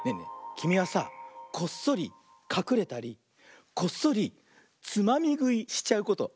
きみはさこっそりかくれたりこっそりつまみぐいしちゃうことあるかな。